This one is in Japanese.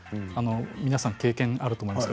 皆さん経験あると思います。